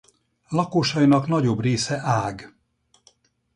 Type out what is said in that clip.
Lakosainak nagyobb része ág.